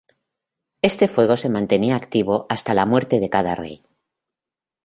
Este fuego se mantenía activo hasta la muerte de cada rey.